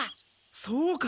そうか。